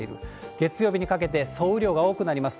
月曜日にかけて、総雨量が多くなります。